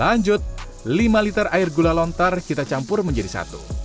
lanjut lima liter air gula lontar kita campur menjadi satu